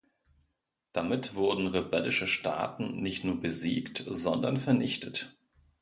Damit wurden rebellische Staaten nicht nur besiegt, sondern vernichtet.